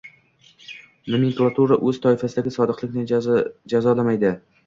Nomenklatura o'z toifasidagi sodiqlarni jazolamaydi